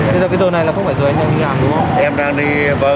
bây giờ cái đồ này là không phải rồi anh đang đi làm đúng không